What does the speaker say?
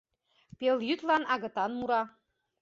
Пелйӱдлан агытан мура.